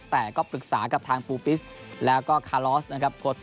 แต่ก็ปรึกษากับทางแล้วก็นะครับ